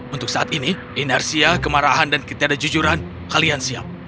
untuk saat ini inersia kemarahan dan ketidakjujuran kalian siap